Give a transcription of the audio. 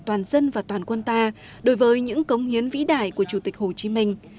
toàn dân và toàn quân ta đối với những cống hiến vĩ đại của chủ tịch hồ chí minh